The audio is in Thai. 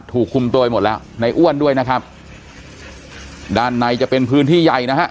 ถูกคุมตัวไปหมดแล้วในอ้วนด้วยนะครับด้านในจะเป็นพื้นที่ใหญ่นะฮะ